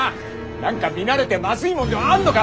何か見られてまずいもんでもあんのか？